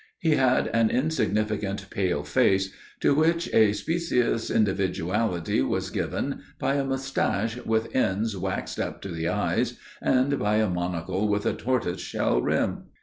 He had an insignificant pale face to which a specious individuality was given by a moustache with ends waxed up to the eyes and by a monocle with a tortoise shell rim.